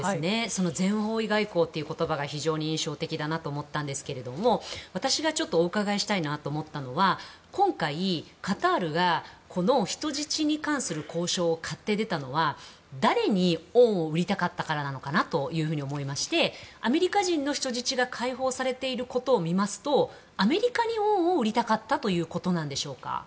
全方位外交という言葉が非常に印象的だなと思ったんですが私がお伺いしたいなと思ったのは今回、カタールがこの人質に関する交渉を買って出たのは誰に恩を売りたかったからなのかなと思いましてアメリカ人の人質が解放されていることを見ますとアメリカに恩を売りたかったということでしょうか？